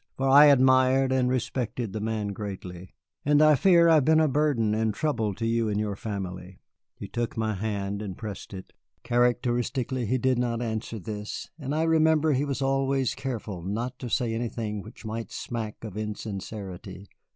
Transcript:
For I admired and respected the man greatly. "And I fear I have been a burden and trouble to you and your family." He took my hand and pressed it. Characteristically, he did not answer this, and I remembered he was always careful not to say anything which might smack of insincerity.